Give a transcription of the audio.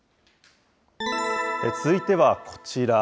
続いてはこちら。